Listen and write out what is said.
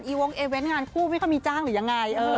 วงเอเวนต์งานคู่ไม่ค่อยมีจ้างหรือยังไง